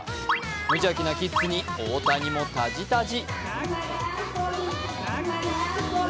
無邪気なキッズに大谷もタジタジ。